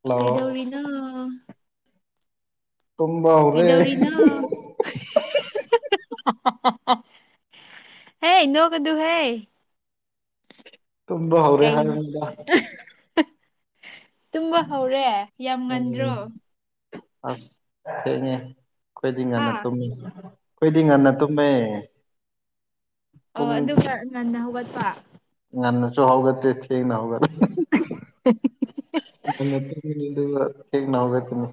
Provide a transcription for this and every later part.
hello ꯀꯩꯗꯧꯔꯤꯅꯣ ꯇꯨꯝꯕ ꯍꯧꯔꯦ ꯀꯩꯗꯧꯔꯤꯅꯣ [unintelligible] ꯍꯍꯍꯍ ꯍꯦ ꯅꯣꯛꯀꯅꯨꯍꯦ ꯇꯨꯝꯕ ꯍꯧꯔꯦ ꯀꯩ ꯍꯥꯏꯕꯅꯤꯗ ꯇꯨꯝꯕ ꯍꯧꯔꯦ ꯌꯥꯝ ꯉꯟꯗ꯭ꯔꯣ ꯎꯝ ꯑꯁ ꯊꯦꯡꯉꯦ ꯑꯩꯈꯣꯏꯗꯤ ꯍꯥ ꯉꯟꯅ ꯇꯨꯝꯃꯤ ꯑꯩꯈꯣꯏꯗꯤ ꯉꯟꯅ ꯇꯨꯝꯃꯦ ꯑꯣ ꯄꯨꯡ ꯑꯗꯨꯒ ꯉꯟꯅ ꯍꯧꯒꯠꯄ ꯉꯟꯅꯁꯨ ꯍꯧꯒꯠꯇꯦ ꯊꯦꯡꯅ ꯍꯧꯒꯦꯠ ꯉꯟꯅ ꯇꯨꯝꯒꯅꯤꯗꯨꯒ ꯊꯦꯡꯅ ꯍꯧꯒꯠꯀꯅꯤ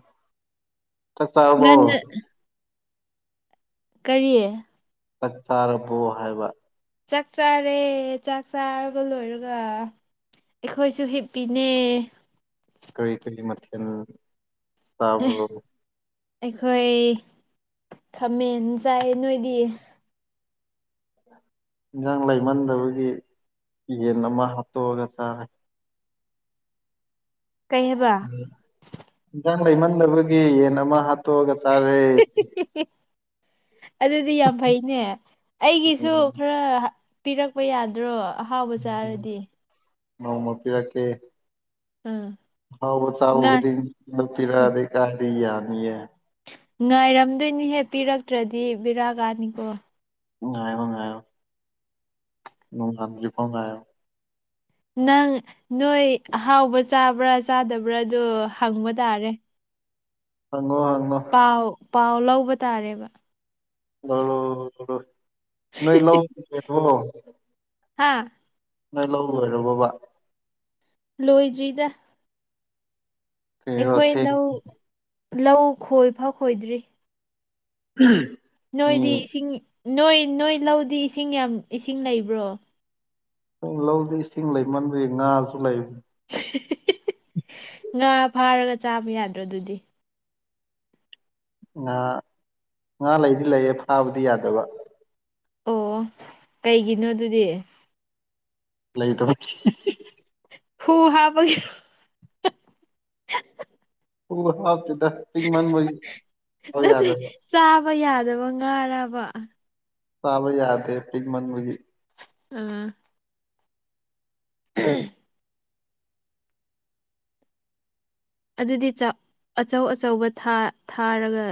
ꯆꯥꯛ ꯆꯥꯔꯕꯣ ꯉꯟꯅ ꯀꯔꯤ ꯆꯥꯛ ꯆꯥꯔꯕꯣ ꯍꯥꯏꯕ ꯆꯥꯛ ꯆꯥꯔꯦ ꯆꯥꯛ ꯆꯥꯔꯕ ꯂꯣꯏꯔꯒ ꯑꯩꯈꯣꯏꯁꯨ ꯍꯤꯞꯄꯤꯅꯦ ꯀꯔꯤ ꯀꯔꯤ ꯃꯊꯦꯜ ꯆꯥꯕ꯭ꯔꯣ ꯑꯩꯈꯣꯏ ꯈꯥꯃꯦꯟ ꯆꯥꯏ ꯅꯣꯏꯗꯤ ꯏꯟꯖꯥꯡ ꯂꯩꯃꯟꯗꯕꯒꯤ ꯌꯦꯟ ꯑꯃ ꯍꯥꯞꯇꯣꯛꯑꯒ ꯆꯥꯔꯦ ꯀꯩ ꯍꯥꯏꯕ ꯏꯟꯖꯥꯡ ꯂꯩꯃꯟꯗꯕꯒꯤ ꯌꯦꯟ ꯑꯃ ꯍꯥꯠ ꯇꯣꯛꯑꯒ ꯆꯥꯔꯦ ꯑꯗꯨꯗꯤ ꯌꯥꯝ ꯐꯩꯅꯦ ꯑꯩꯒꯤꯁꯨ ꯎꯝ ꯈꯔ ꯄꯤꯔꯛꯄ ꯌꯥꯗ꯭ꯔꯣ ꯑꯍꯥꯎꯕ ꯆꯥꯔꯗꯤ ꯅꯣꯡꯃ ꯄꯤꯔꯛꯀꯦ ꯎꯝ ꯍꯥꯎꯕ ꯆꯥꯕ ꯉꯥ ꯈꯨꯗꯤꯡ ꯗ ꯄꯤꯔꯛꯑꯗꯤ ꯀꯥꯢꯗꯩ ꯌꯥꯅꯤꯌꯦ ꯉꯥꯏꯔꯝꯗꯣꯏꯅꯤꯍꯦ ꯄꯤꯔꯛꯇ꯭ꯔꯗꯤ ꯕꯤꯔꯥ ꯀꯥꯅꯤꯀꯣ ꯉꯥꯢꯌꯣ ꯉꯥꯢꯌꯣ ꯅꯣꯡꯉꯥꯟꯗ꯭ꯔꯤꯐꯥꯎ ꯉꯥꯢꯌꯣ ꯅꯪ ꯅꯣꯏ ꯑꯍꯥꯎꯕ ꯆꯥꯕ꯭ꯔꯥ ꯆꯥꯗꯕ꯭ꯔꯥ ꯑꯗꯨ ꯍꯪꯕ ꯇꯥꯔꯦ ꯉꯣ ꯍꯪꯉꯣ ꯄꯥꯎ ꯄꯥꯎ ꯂꯧꯕ ꯇꯥꯔꯦꯕ ꯂꯧꯔꯣ ꯂꯧꯔꯣ ꯅꯣꯢ ꯂꯧ [unintelligible] ꯍꯥꯥ ꯅꯣꯢ ꯂꯧ ꯂꯣꯢꯔꯕꯣꯕ ꯂꯣꯏꯗ꯭ꯔꯤꯗ ꯀꯩꯔꯣ ꯑꯩꯈꯣꯏ ꯊꯦꯡ ꯂꯧ ꯂꯧ ꯈꯣꯏꯐꯥꯎ ꯈꯣꯏꯗ꯭ꯔꯤ ꯎꯍꯨꯝ ꯅꯣꯏꯗꯤ ꯏꯁꯤꯡ ꯅꯣꯏ ꯅꯣꯏ ꯂꯧꯗꯤ ꯏꯁꯤꯡ ꯌꯥꯝ ꯏꯁꯤꯡ ꯂꯩꯕ꯭ꯔꯣ ꯂꯧꯗꯤ ꯏꯁꯤꯡ ꯂꯩꯃꯟꯕꯒꯤ ꯉꯥꯁꯨ ꯂꯩꯕꯅꯦ ꯉꯥ ꯐꯥꯔꯒ ꯆꯥꯕ ꯌꯥꯗ꯭ꯔꯣ ꯑꯗꯨꯗꯤ ꯉꯥ ꯉꯥ ꯂꯩꯗꯤ ꯂꯩꯌꯦ ꯐꯥꯕꯗꯤ ꯌꯥꯗꯕ ꯑꯣ ꯀꯩꯒꯤꯅꯣ ꯑꯗꯨꯗꯤ ꯂꯩ ꯇꯕꯒꯤ ꯍꯤ ꯍꯤ ꯍꯨ ꯍꯥꯥꯕꯒꯤꯔꯣ [unintelligible] ꯄꯨꯡ ꯍꯥꯞꯇꯦꯗ ꯄꯤꯛ ꯃꯟꯕꯩ ꯃꯣꯏ ꯌꯥꯗꯕ ꯃꯣꯢ ꯌꯥꯗꯕ ꯉꯥꯔꯕ ꯇꯥꯕ ꯌꯥꯗꯦ ꯄꯤꯛ ꯃꯟꯕꯒꯤ ꯎꯝ ꯎꯝ ꯑꯗꯨꯗꯤ ꯑꯆꯧ ꯑꯆꯧꯕ ꯊꯥꯔꯒ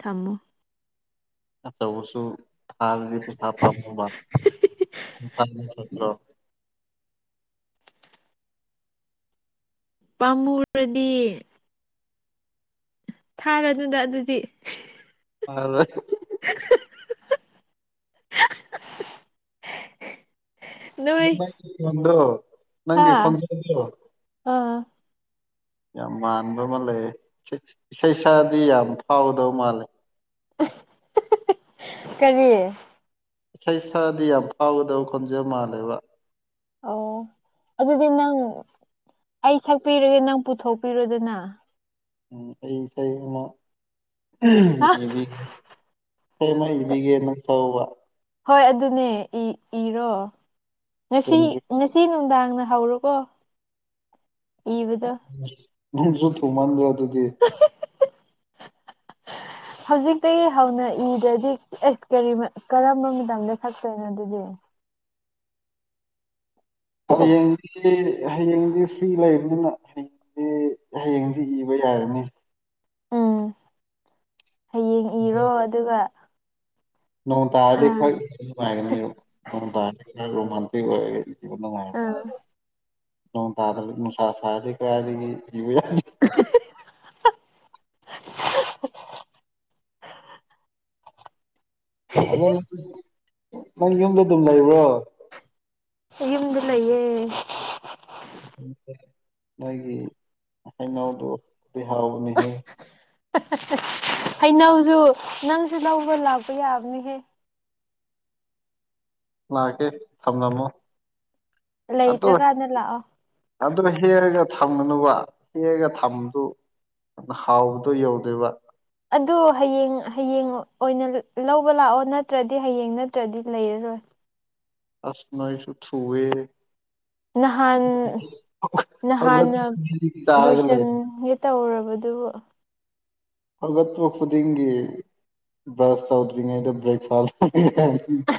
ꯊꯝꯃꯨ ꯑꯆꯧꯕꯁꯨ ꯇꯔꯗꯤ [unintelligible] ꯄꯝꯃꯨꯔꯗꯤ ꯊꯥꯔꯗꯨꯗ ꯑꯗꯨꯗꯤ ꯑ [unintelligible] ꯅꯣꯏ ꯅꯪꯒꯤ ꯈꯣꯟꯗꯣ ꯅꯪꯒꯤ ꯍꯥꯥ ꯈꯣꯟꯖꯦꯟꯗꯣ ꯌꯥꯝ ꯃꯥꯟꯕ ꯑꯃ ꯂꯩ ꯏꯁꯩ ꯁꯛꯑꯗꯤ ꯌꯥꯝ ꯐꯥꯎꯒꯗꯧ ꯃꯥꯜꯂꯦ ꯀꯔꯤ ꯏꯁꯩ ꯁꯛꯑꯗꯤ ꯌꯥꯝ ꯐꯥꯎꯒꯗꯧ ꯈꯣꯟꯖꯦꯜ ꯃꯥꯂꯦꯕ ꯑꯣ ꯑꯗꯨꯗꯤ ꯅꯪ ꯑꯩ ꯁꯛꯄꯤꯔꯒꯦ ꯅꯪ ꯄꯨꯊꯣꯛ ꯄꯤꯔꯣꯗꯅ ꯎ ꯑꯩ ꯁꯩ ꯑꯃ ꯍꯥ ꯢꯕꯤꯒꯦ ꯢꯁꯩ ꯑꯃ ꯢꯕꯤꯒꯦ ꯅꯪ ꯁꯛꯑꯣꯕ ꯍꯣꯏ ꯑꯗꯨꯅꯦ ꯏꯔꯣ ꯉꯁꯤ ꯇꯨꯟꯁꯨ ꯉꯁꯤ ꯅꯨꯡꯗꯥꯡꯅ ꯍꯧꯔꯣꯀꯣ ꯏꯕꯗꯣ ꯅꯨꯡꯁꯨ ꯊꯨꯃꯟꯗꯔꯣ ꯑꯗꯨꯗꯤ [unintelligible] ꯍꯧꯖꯤꯛꯇꯒꯤ ꯍꯧꯅ ꯏꯗ꯭ꯔꯗꯤ ꯑꯁ ꯀꯔꯤ ꯀꯔꯝꯕ ꯃꯇꯝꯗ ꯁꯛꯇꯣꯏꯅꯣ ꯑꯗꯨꯗꯤ ꯍꯌꯦꯡ ꯢꯒꯦ ꯍꯌꯦꯡꯗꯤ ꯐ꯭ꯔꯤ ꯂꯩꯕꯅꯤꯅ ꯍꯌꯦꯡꯗꯤ ꯍꯌꯦꯡꯗꯤ ꯏꯕ ꯌꯥꯥꯢꯅ ꯎꯝ ꯍꯌꯦꯡ ꯏꯔꯣ ꯑꯗꯨꯒ ꯅꯣꯡ ꯇꯗꯤ ꯑꯥ ꯈꯣꯢ ꯅꯣꯡ ꯇꯔꯗꯤ ꯔꯣꯃꯥꯟꯇꯤꯛ ꯑꯣꯏꯒꯅꯤ ꯅꯨꯡꯉꯥꯏ ꯑꯥ ꯅꯣꯡ ꯇꯗꯔꯗꯤ ꯅꯨꯡꯁꯥꯔꯗꯤ ꯀꯥꯏꯗꯥꯢꯗꯩ ꯏꯕ ꯌꯥꯅꯤ [unintelligible] ꯑꯗꯨ ꯅꯪ ꯌꯨꯝꯗ ꯑꯗꯨꯝ ꯂꯩꯕ꯭ꯔꯣ ꯑꯩ ꯌꯨꯝꯗ ꯂꯩꯌꯦ ꯅꯣꯏꯒꯤ ꯍꯩꯅꯧꯗꯣ ꯍꯥꯎꯗꯤ ꯍꯥꯎꯕꯅꯦꯍꯦ ꯍꯩꯅꯧꯁꯨ ꯅꯪꯁꯨ ꯂꯧꯕ ꯂꯥꯛꯄ ꯌꯥꯕꯅꯤꯍꯦ ꯂꯥꯛꯀꯦ ꯊꯝꯂꯝꯃꯣ ꯑꯗꯨ ꯂꯩꯇ꯭ꯔ ꯀꯥꯟꯗ ꯂꯥꯛꯑꯣ ꯑꯗꯨ ꯍꯦꯛꯂꯒ ꯊꯝꯒꯅꯨꯕ ꯍꯦꯛꯂꯒ ꯊꯝꯕꯗꯨ ꯑꯗꯨꯅ ꯍꯥꯎꯕꯗꯣ ꯌꯧꯗꯣꯏꯕ ꯑꯗꯨ ꯍꯌꯦꯡ ꯍꯌꯦꯡ ꯑꯣꯏꯅ ꯂꯧꯕ ꯂꯥꯛꯑꯣ ꯅꯠꯇ꯭ꯔꯗꯤ ꯍꯌꯦꯡ ꯅꯠꯇ꯭ꯔꯗꯤ ꯂꯩꯔꯔꯣꯏ ꯑꯁ ꯅꯣꯢꯁꯨ ꯊꯨꯏꯌꯦ ꯅꯍꯥꯟ ꯍꯧꯒꯠꯄ ꯅꯍꯥꯟꯅ ꯈꯨꯗꯤꯡ ꯆꯥꯔꯒ ꯂꯩ ꯂꯣꯏꯁꯟꯒꯦ ꯇꯧꯔꯕꯗꯨꯕꯣ ꯍꯧꯒꯠꯄ ꯈꯨꯗꯤꯡꯒꯤ ꯕ꯭ꯔꯁ ꯇꯧꯗ꯭ꯔꯤꯉꯩꯗ ꯕ꯭ꯔꯦꯛꯐꯥꯁ [inaudible]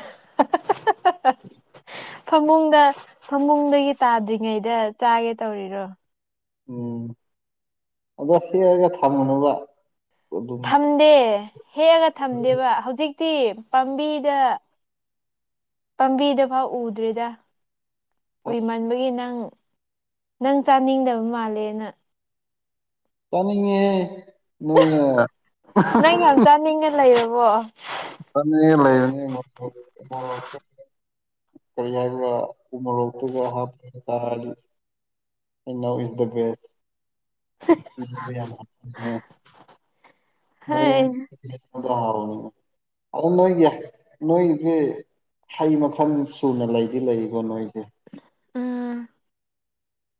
ꯐꯃꯨꯡꯗ ꯐꯃꯨꯡꯗꯒꯤ ꯇꯥꯗ꯭ꯔꯤꯉꯩꯗ ꯆꯥꯒꯦ ꯇꯧꯔꯤꯔꯣ ꯎꯝ ꯑꯗꯣ ꯍꯦꯛꯂꯒ ꯊꯝꯒꯅꯨꯕ ꯑꯗꯨꯝ ꯊꯝꯗꯦ ꯍꯦꯛꯂꯒ ꯊꯝꯗꯦꯕ ꯍꯧꯖꯤꯛ ꯍꯧꯖꯤꯛꯇꯤ ꯄꯥꯝꯕꯤꯗ ꯄꯥꯝꯕꯤꯗ ꯐꯥꯎ ꯎꯗ꯭ꯔꯤꯗ ꯑꯁ ꯀꯨꯏꯃꯟꯕꯒꯤ ꯅꯪ ꯅꯪ ꯆꯥꯅꯤꯡꯗꯕ ꯃꯥꯜꯂꯦꯅ ꯆꯥꯅꯤꯡꯉꯦꯍꯦ ꯅꯣꯏꯅ ꯑꯣ [inaudible] ꯀꯔꯤ ꯍꯥꯏꯕ꯭ꯔ ꯎ ꯃꯣꯔꯣꯛꯇꯨꯒ ꯍꯥꯞꯄ ꯆꯥꯔꯗꯤ ꯍꯩꯅꯧ ꯑꯤꯁ ꯗꯥ ꯕꯦꯁ [inaudible] [inaudible] ꯍꯣꯏ ꯑꯗꯨ ꯅꯣꯏꯒꯤ ꯅꯣꯏꯁꯦ ꯍꯩ ꯃꯈꯜ ꯁꯨꯅ ꯂꯩꯗꯤ ꯂꯩꯀꯣ ꯅꯣꯏꯁꯦ ꯑꯥ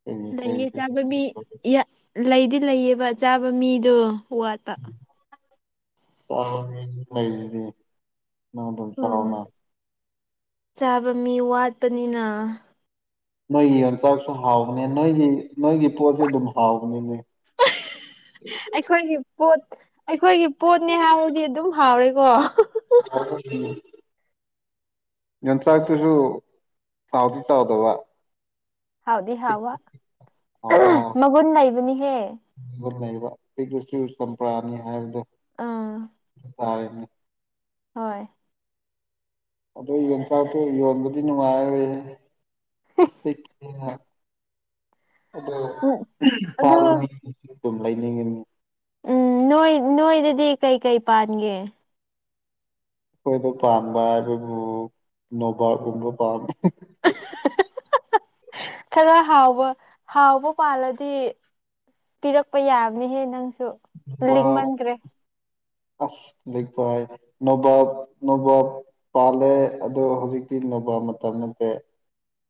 ꯀꯔꯤ ꯀꯔꯤ ꯂꯩꯌꯦ ꯆꯥꯕ ꯃꯤ ꯀꯔꯤ ꯌꯥ ꯂꯩꯗꯤ ꯂꯩꯌꯦꯕ ꯆꯥꯕ ꯃꯤꯗꯣ ꯋꯥꯠꯄ ꯎꯝ [inaudible] ꯆꯥꯕ ꯃꯤ ꯋꯥꯠꯄꯅꯤꯅ ꯅꯣꯏꯒꯤ ꯌꯣꯡꯆꯥꯛꯁꯨ ꯍꯥꯎꯕꯅꯤ ꯅꯣꯏꯒꯤ ꯅꯣꯏꯒꯤ ꯄꯣꯠꯁꯦ ꯑꯗꯨꯝ ꯍꯥꯎꯕꯅꯤꯅꯦ ꯑꯩꯈꯣꯏꯒꯤ ꯄꯣꯠ ꯑꯩꯈꯣꯏꯒꯤ ꯄꯣꯠꯅꯦ ꯍꯥꯏꯔꯗꯤ ꯑꯗꯨꯝ ꯍꯥꯎꯔꯦ ꯀꯣ [inaudible] ꯌꯣꯡꯆꯥꯛꯇꯨꯁꯨ ꯆꯥꯎꯗꯤ ꯆꯥꯎꯗꯕ ꯍꯥꯎꯗꯤ ꯍꯥꯎꯕ ꯍꯥꯎꯗꯤ ꯍꯥꯎ ꯃꯒꯨꯟ ꯂꯩꯕꯅꯤꯍꯦ ꯗ ꯂꯩꯕ ꯄꯤꯛꯂꯁꯨ ꯆꯝꯄ꯭ꯔꯥꯅꯤ ꯍꯥꯏꯕꯗꯣ ꯑꯥ ꯑꯗꯨ ꯇꯥꯔꯦꯅꯦ ꯍꯣꯏ ꯑꯗꯨ ꯌꯣꯡꯆꯥꯛꯇꯨ ꯌꯣꯟꯕꯗꯤ ꯅꯨꯡꯉꯥꯏꯔꯔꯣꯏꯍꯦ ꯑꯗꯣ ꯎꯝ ꯑꯗꯨ ꯆꯥꯕ ꯃꯤꯗꯤ ꯑꯗꯨꯝ ꯂꯩꯅꯤꯡꯉꯤꯅꯦ ꯎꯝ ꯅꯣꯏ ꯅꯣꯏꯗꯗꯤ ꯀꯩꯀꯩ ꯄꯥꯟꯒꯦ ꯑꯩꯈꯣꯏꯗ ꯄꯥꯟꯕ ꯍꯥꯏꯕꯕꯨ ꯅꯣꯕꯥꯞꯒꯨꯝꯕ ꯄꯥꯜꯂꯤ [inaudible] ꯈꯔ ꯍꯥꯎꯕ ꯍꯥꯎꯕ ꯄꯥꯜꯂꯗꯤ ꯄꯤꯔꯛꯄ ꯌꯥꯕꯅꯤꯍꯦ ꯅꯪꯁꯨ ꯅꯣꯕꯥꯞ ꯂꯤꯡꯃꯟꯈ꯭ꯔꯦ ꯑꯁ ꯂꯤꯛꯄ ꯍꯥꯏꯅꯦ ꯅꯣꯕꯥꯞ ꯅꯣꯕꯥꯞ ꯄꯥꯜꯂꯦ ꯑꯗꯣ ꯍꯧꯖꯤꯛꯇꯤ ꯅꯣꯕꯥꯞ ꯃꯇꯝ ꯅꯠꯇꯦ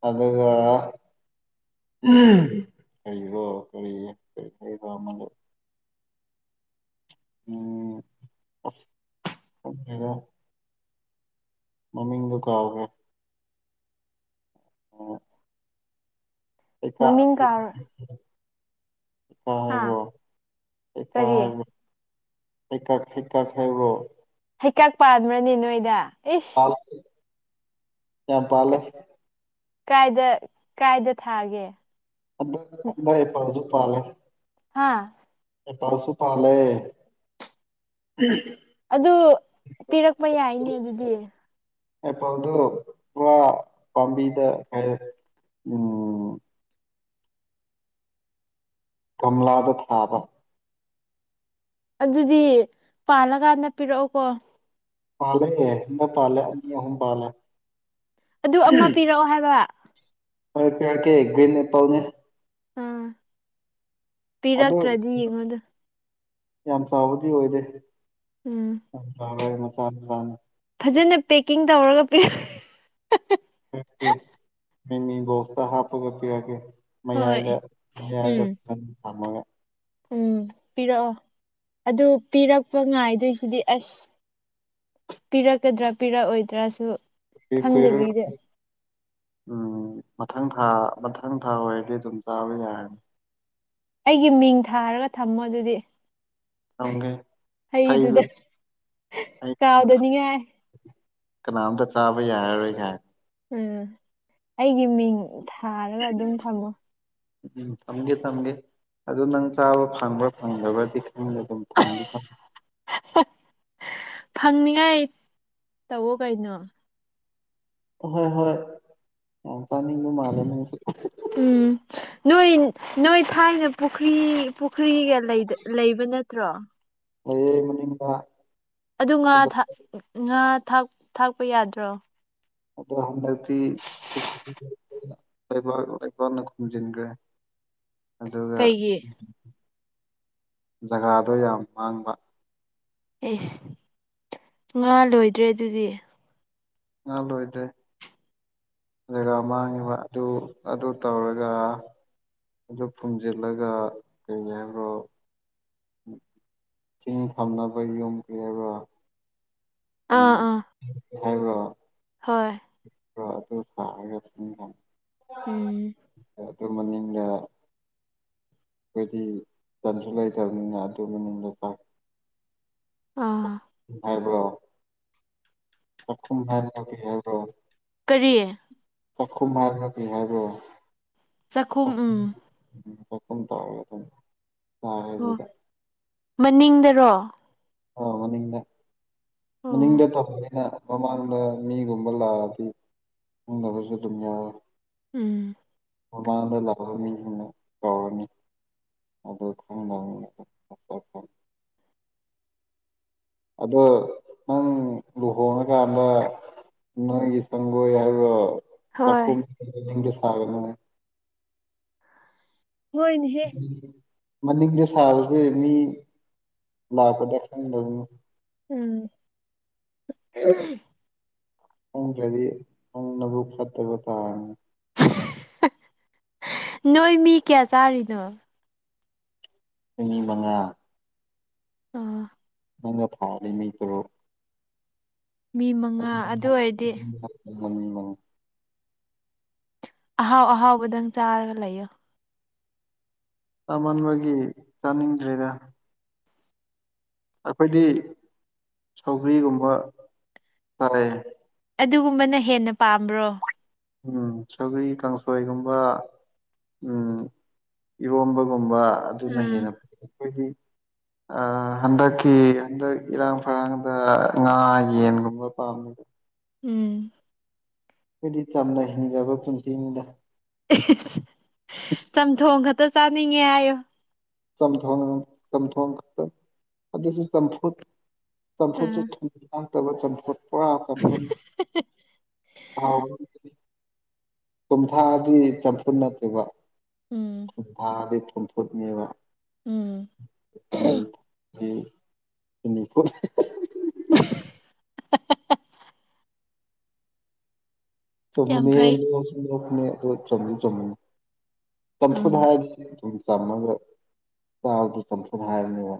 ꯑꯗꯨꯒ ꯀꯔꯤꯕꯣ ꯀꯔꯤ ꯀꯔꯤ ꯍꯥꯏꯕ ꯑꯃꯗꯨ ꯎꯝ ꯑꯁ ꯈꯪꯗꯦꯗ ꯃꯃꯤꯡꯗꯣ ꯀꯥꯎꯒ꯭ꯔꯦ ꯃꯃꯤꯡ ꯀꯥꯎꯔ [unintelligible] ꯍꯩꯈꯥ ꯍꯥ ꯍꯥꯏꯕ꯭ꯔꯣ ꯍꯩꯈꯥ ꯀꯔꯤ ꯍꯥꯏꯕ꯭ꯔꯣ ꯍꯩꯀꯛ ꯍꯩꯀꯛ ꯍꯥꯏꯕ꯭ꯔꯣ ꯍꯩꯀꯛ ꯄꯥꯟꯕ꯭ꯔꯥꯅꯦ ꯅꯣꯏꯗ ꯄꯥꯜꯂꯦ ꯏꯁ ꯌꯥꯝ ꯄꯥꯜꯂꯦ ꯀꯥꯏꯗ ꯀꯥꯏꯗ ꯊꯥꯒꯦ [unintelligible] ꯃꯣꯏ ꯀꯩꯅꯣꯗꯣ ꯄꯥꯜꯂꯦ ꯍꯥꯥ ꯑꯦꯄꯜꯁꯨ ꯄꯥꯜꯂꯦ ꯎꯝ ꯑꯗꯨ ꯄꯤꯔꯛꯄ ꯌꯥꯏꯅꯦ ꯑꯗꯨꯗꯤ ꯑꯦꯄꯜꯗꯨ ꯄꯨꯔꯥ ꯄꯥꯝꯕꯤꯗ ꯀ ꯩ ꯎꯝ ꯒꯝꯂꯥꯗꯣ ꯊꯥꯕ ꯑꯗꯨꯗꯤ ꯄꯥꯜꯂꯀꯥꯟꯗ ꯄꯤꯔꯛꯑꯣꯀꯣ ꯄꯥꯜꯂꯦ ꯑꯃ ꯄꯥꯜꯂꯦ ꯑꯅꯤ ꯑꯍꯨꯝ ꯄꯥꯜꯂꯦ ꯑꯗꯨ ꯑꯃ ꯄꯤꯔꯛꯑꯣ ꯍꯥꯏꯕ ꯍꯣꯏ ꯄꯤꯔꯛꯀꯦ ꯒ꯭ꯔꯤꯟ ꯑꯦꯄꯜꯅꯦ ꯑꯥ ꯑꯗꯣ ꯄꯤꯔꯛꯇ꯭ꯔꯗꯤ ꯌꯦꯡꯉꯣꯗꯨ ꯌꯥꯝ ꯆꯥꯎꯕꯗꯤ ꯑꯣꯏꯗꯦ ꯎꯝ ꯌꯥꯝ ꯆꯥꯎꯔꯣꯏ ꯃꯆꯥ ꯃꯆꯥꯅꯦ ꯐꯖꯅ ꯄꯦꯛꯀꯤꯡ ꯇꯧꯔꯒ ꯄꯤꯔꯛ ꯄꯤꯔꯛꯀꯦ ꯃꯦꯃꯤ ꯕꯣꯛꯁꯇ ꯍꯥꯞꯄꯒ ꯄꯤꯔꯛꯀꯦ ꯍꯣꯏ ꯃꯌꯥꯏꯗ ꯃꯌꯥꯏꯗ ꯎꯝ ꯐꯖꯅ ꯊꯝꯃꯒ ꯎꯝ ꯄꯤꯔꯛꯑꯣ ꯑꯗꯨ ꯄꯤꯔꯛꯄ ꯉꯥꯏꯗꯨꯏꯁꯤꯗꯤ ꯑꯁ ꯄꯤꯔꯛꯀꯗ꯭ꯔꯥ ꯄꯤꯔꯛꯑꯣꯏꯗ꯭ꯔꯁꯨ [unintelligible] ꯎꯝ ꯃꯊꯪ ꯊꯥ ꯃꯊꯪ ꯊꯥ ꯑꯣꯏꯔꯗꯤ ꯑꯗꯨꯝ ꯆꯥꯕ ꯌꯥꯔꯅꯤ ꯑꯩꯒꯤ ꯃꯤꯡ ꯊꯥꯔꯒ ꯊꯝꯃꯣ ꯑꯗꯨꯗꯤ ꯊꯝꯒꯦ ꯍꯩ ꯀꯥꯎꯗꯅꯤꯉꯥꯏ ꯀꯅꯥꯝꯇ ꯆꯥꯕ ꯌꯥꯔꯔꯣꯏ [unintelligible] ꯎꯝ ꯑꯩꯒꯤ ꯃꯤꯡ ꯊꯥꯔꯒ ꯑꯗꯨꯝ ꯊꯝꯃꯣ ꯎꯝ ꯊꯝꯒꯦ ꯊꯝꯒꯦ ꯑꯗꯣ ꯅꯪ ꯆꯥꯕ ꯐꯪꯕ꯭ꯔꯥ ꯐꯪꯗꯕ꯭ꯔꯗꯤ ꯈꯪꯗꯦ ꯑꯗꯨꯝ ꯊꯝꯗꯤ ꯊꯝ ꯐꯪꯅꯤꯉꯥꯏ ꯇꯧꯑꯣ ꯀꯩꯅꯣ ꯍꯣꯏ ꯍꯣꯏ ꯌꯥꯝ ꯆꯥꯅꯤꯡꯕ ꯃꯥꯜꯂꯦ ꯅꯪꯁꯦ ꯎꯝ ꯅꯣꯏ ꯅꯣꯏ ꯊꯥꯏꯅ ꯄꯨꯈ꯭ꯔꯤ ꯄꯨꯈ꯭ꯔꯤꯒ ꯂꯩꯗ ꯂꯩꯕ ꯅꯠꯇ꯭ꯔꯣ ꯂꯩꯌꯦ ꯃꯅꯤꯡꯗ ꯑꯗꯨ ꯉꯥ ꯑꯗꯣ ꯊꯥꯛ ꯉꯥ ꯊꯥꯛ ꯊꯥꯛꯄ ꯌꯥꯗ꯭ꯔꯣ ꯑꯗꯨ ꯍꯟꯗꯛꯇꯤ [unintelligible] ꯂꯩꯕꯥꯛ ꯂꯩꯕꯥꯛꯅ ꯈꯨꯝꯖꯤꯟꯒ꯭ꯔꯦ ꯑꯗꯨꯒ ꯀꯩꯒꯤ ꯖꯒꯥꯗꯣ ꯌꯥꯝ ꯃꯥꯡꯕ ꯑꯦꯁ ꯉꯥ ꯂꯣꯏꯗ꯭ꯔꯦ ꯑꯗꯨꯗꯤ ꯉꯥ ꯂꯣꯏꯗꯦ ꯖꯒꯥ ꯃꯥꯡꯉꯤꯕ ꯑꯗꯨ ꯑꯗꯨ ꯇꯧꯔꯒ ꯑꯗꯨ ꯐꯨꯝꯖꯤꯜꯂꯒ ꯀꯔꯤ ꯍꯥꯏꯕ꯭ꯔꯣ ꯆꯤꯡ ꯊꯝꯅꯕ ꯌꯨꯝ ꯂꯩꯕ ꯑꯥ ꯎꯝ ꯑꯥ ꯍꯥꯏꯕ꯭ꯔꯣ ꯍꯣꯏ [unintelligible] [unintelligible] ꯎꯝ ꯗꯨ ꯃꯅꯤꯡꯗ [unintelligible] ꯑꯥ ꯍꯥꯏꯕ꯭ꯔꯣ ꯆꯈꯨꯝ ꯍꯥꯏꯕ꯭ꯔꯣ ꯀꯔꯤ ꯍꯥꯏꯕ꯭ꯔꯣ ꯀꯔꯤ ꯆꯈꯨꯝ ꯍꯥꯏꯕ꯭ꯔꯥ ꯀꯩ ꯍꯥꯏꯕ꯭ꯔꯣ ꯆꯥꯛꯈꯨꯝ ꯎꯝ [unintelligible] ꯑꯣ ꯑꯗꯨꯗ ꯃꯅꯤꯡꯗꯔꯣ ꯑꯣ ꯃꯅꯤꯡꯗ ꯑꯣ ꯃꯅꯤꯡꯗ [unintelligible] ꯃꯃꯥꯡꯗ ꯃꯤꯒꯨꯝꯕ ꯂꯥꯛꯑꯗꯤ ꯐꯝꯗꯕꯁꯨ ꯑꯗꯨꯝ ꯌꯥꯎꯋꯦ ꯎꯝ ꯃꯃꯥꯡꯗ ꯂꯥꯛꯈꯕ ꯃꯤꯁꯤꯡꯅ ꯀꯧꯔꯅꯤ [unintelligible] ꯑꯗꯣ ꯅꯪ ꯂꯨꯍꯣꯡꯉꯀꯥꯟꯗ ꯅꯣꯏꯒꯤ ꯁꯪꯒꯣꯏ ꯍꯥꯏꯕ꯭ꯔꯣ ꯍꯣꯏ [unintelligible] ꯅꯣꯏꯅꯦ ꯍꯦ ꯃꯅꯤꯡꯗ ꯁꯥꯕꯁꯦ ꯃꯤ ꯂꯥꯛꯄꯗ ꯈꯤꯇꯪ ꯅꯩꯅꯤ ꯎꯝ [unintelligible] ꯍꯣꯡꯗ꯭ꯔꯗꯤ ꯅꯪ ꯅꯕꯨꯛ ꯐꯠꯇꯕ ꯇꯥꯔꯅꯤ ꯅꯣꯏ ꯃꯤ ꯀꯌꯥ ꯆꯥꯔꯤꯅꯣ ꯃꯤ ꯃꯉꯥ ꯑꯣ ꯅꯪꯒ ꯊꯥꯔꯗꯤ ꯃꯤ ꯇꯔꯨꯛ ꯃꯤ ꯃꯉꯥ ꯑꯗꯨ ꯑꯣꯏꯔꯗꯤ [unintelligible] ꯑꯍꯥꯎ ꯑꯍꯥꯎꯕꯗꯪ ꯆꯥꯔꯒ ꯂꯩꯌꯣ ꯆꯥꯃꯟꯕꯒꯤ ꯆꯥꯅꯤꯡꯗ꯭ꯔꯦꯗ ꯑꯩꯈꯣꯏꯗꯤ ꯁꯧꯒ꯭ꯔꯤꯒꯨꯝꯕ ꯆꯥꯏꯌꯦ ꯑꯗꯨꯒꯨꯝꯕꯅ ꯍꯦꯟꯅ ꯄꯥꯝꯕ꯭ꯔꯣ ꯎꯝ ꯁꯩꯒ꯭ꯔꯤ ꯀꯥꯡꯁꯣꯏꯒꯨꯝꯕ ꯎꯝ ꯏꯔꯣꯝꯕꯒꯨꯝꯕ ꯑꯗꯨꯅ ꯍꯦꯟꯅ ꯎꯝ ꯑꯩꯈꯣꯏꯗꯤ ꯑꯥ ꯍꯟꯗꯛꯀꯤ ꯍꯟꯗꯛ ꯏꯔꯥꯡ ꯐꯔꯥꯡꯗ ꯉꯥ ꯌꯦꯟꯒꯨꯝꯕ ꯄꯥꯝꯃꯕ ꯎꯝ ꯑꯩꯗꯤ ꯆꯝꯅ ꯍꯤꯡꯖꯕ ꯄꯨꯟꯁꯤꯅꯤꯗ ꯆꯝꯊꯣꯡ ꯈꯛꯇ ꯆꯥꯅꯤꯡꯉꯦ ꯍꯥꯏꯌꯣ ꯆꯝꯊꯣꯡ ꯆꯝꯊꯣꯡ ꯈꯛꯇꯡ ꯑꯗꯨꯁꯨ ꯆꯝꯐꯨꯠ ꯆꯝꯐꯨꯠꯁꯨ ꯎꯝ ꯆꯤꯅꯤ ꯊꯥꯛꯇꯕ ꯆꯝꯐꯨꯠ ꯄꯨꯔꯥ ꯆꯝꯐꯨꯠꯅꯤ [unintelligible] ꯊꯨꯝ ꯊꯥꯛꯑꯗꯤ ꯆꯝꯐꯨꯠ ꯅꯠꯇꯦꯕ ꯎꯝ ꯊꯨꯝ ꯊꯥꯛꯑꯗꯤ ꯊꯨꯝꯐꯨꯠꯅꯦꯕ ꯎꯝ [unintelligible] ꯍꯥ ꯍꯥ ꯍꯥ ꯌꯥꯝ ꯆꯨꯝꯕꯅꯤꯍꯦ [unintelligible] ꯐꯩ ꯑꯗꯨꯒ ꯆꯨꯝꯖꯨ ꯆꯨꯝꯕꯅꯦ ꯆꯝꯐꯨꯠ ꯎꯝ ꯍꯥꯏꯔꯗꯤ ꯑꯗꯨꯝ ꯆꯝꯃꯒ ꯆꯥꯕꯗ ꯆꯝꯐꯨꯠ ꯍꯥꯏꯕꯅꯦꯕ